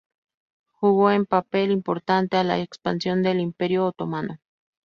Jugó un papel importante a la expansión del Imperio Otomano.